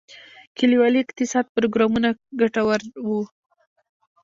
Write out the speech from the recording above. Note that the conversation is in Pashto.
د کلیوالي اقتصاد پروګرامونه ګټور وو؟